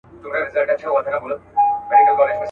پر امیر باندي هغه ګړی قیامت سو.